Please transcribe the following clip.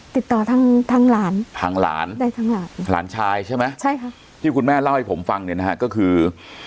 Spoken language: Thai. ติดต่อทางหลานหลานชายใช่ไหมใช่ครับที่คุณแม่เล่าให้ผมฟังเนี่ยนะฮะก็คือ